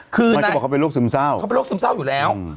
คือมันก็บอกเขาเป็นโรคซึมเศร้าเขาเป็นโรคซึมเศร้าอยู่แล้ว